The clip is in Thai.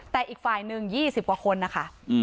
แต่อีกฝ่ายหนึ่งยี่สิบกว่าคนอ่ะค่ะอืม